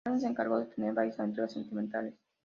Valdemar se encargó de tener varias aventuras sentimentales.